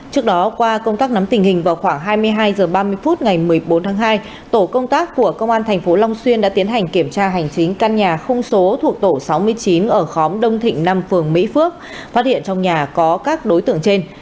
trước đó qua công tác nắm tình hình vào khoảng hai mươi hai h ba mươi phút ngày một mươi bốn tháng hai tổ công tác của công an tp long xuyên đã tiến hành kiểm tra hành chính căn nhà không số thuộc tổ sáu mươi chín ở khóm đông thịnh năm phường mỹ phước phát hiện trong nhà có các đối tượng trên